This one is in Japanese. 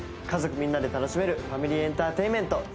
家族みんなで楽しめるファミリーエンターテインメント